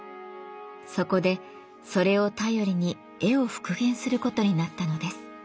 そこでそれを頼りに絵を復元することになったのです。